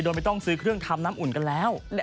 โดยไม่ต้องซื้อเครื่องทำน้ำอุ่นกันแล้ว